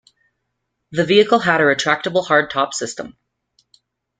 The vehicle had a retractable hard top system.